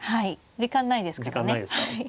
時間ないですから。